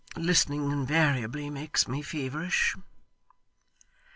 Listening, invariably makes me feverish.